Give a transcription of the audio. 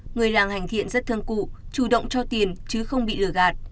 người làng hành thiện rất thương cụ chủ động cho tiền chứ không bị lửa gạt